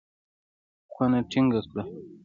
کونه ټينګه کړه.